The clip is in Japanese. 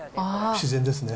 自然ですね。